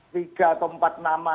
tiga atau empat nama